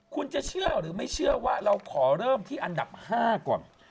คุณจะเชื่อหรือไม่เชื่อว่าเราขอเริ่มที่อันดับ๕ก่อน